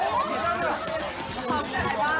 อุ๊ยอุ๊ยหมอนอ่ะ